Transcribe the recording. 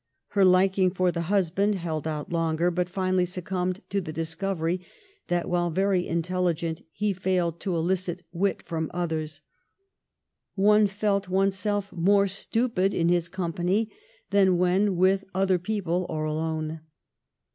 Her liking for the hus band held out longer, but finally succumbed to the discovery that, while very intelligent, he failed to elicit wit from others. " One felt one self more stupid in his company than when with other people or alone."